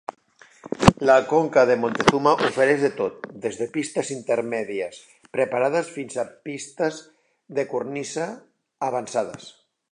La conca de Montezuma ofereix de tot, des de pistes intermèdies preparades fins a pistes de cornisa avançades.